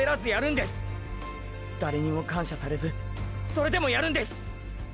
誰にも感謝されずそれでもやるんです！